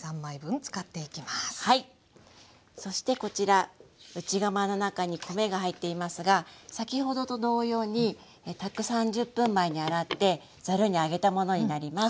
そしてこちら内釜の中に米が入っていますが先ほどと同様に炊く３０分前に洗ってざるに上げたものになります。